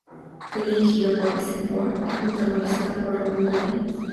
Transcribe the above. Fue dirigida por Vincent Ward y protagonizada por Robin Williams.